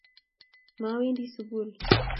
mawendi sugul